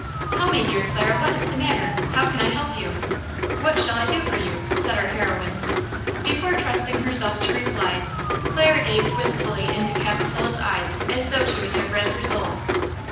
"Tell me, dear Clara, what is the matter? How can I help you? What shall I do for you?" said our heroine. Before trusting herself to reply, Clara gazed wistfully into Capitola's eyes, as though she would have read her soul.